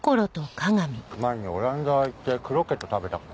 前にオランダ行ってクロケット食べた事があって。